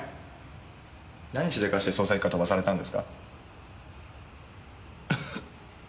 何しでかして捜査一課飛ばされたんですか？